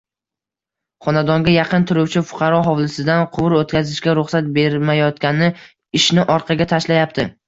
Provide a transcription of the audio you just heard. Xonadonga yaqin turuvchi fuqaro hovlisidan quvur oʻtkazishga ruxsat bermayotgani ishni orqaga tashlayapti.